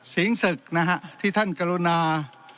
ศิงศึกย์ที่ท่านกรุณา